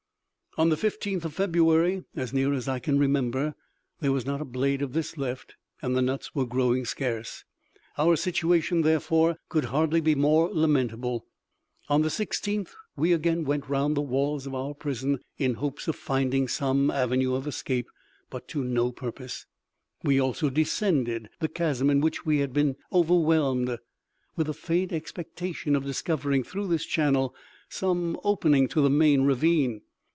On the fifteenth of February, as near as I can remember, there was not a blade of this left, and the nuts were growing scarce; our situation, therefore, could hardly be more lamentable. {*5} On the sixteenth we again went round the walls of our prison, in hope of finding some avenue of escape; but to no purpose. We also descended the chasm in which we had been overwhelmed, with the faint expectation of discovering, through this channel, some opening to the main ravine.